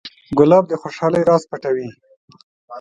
ګلاب د خوشحالۍ راز پټوي.